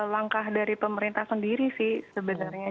langkah dari pemerintah sendiri sih sebenarnya